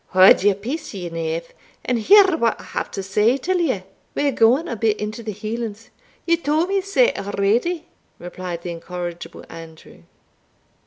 "Haud your peace, ye knave, and hear what I have to say till ye We are gaun a bit into the Hielands" "Ye tauld me sae already," replied the incorrigible Andrew.